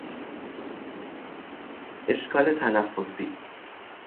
اشکال تنفسی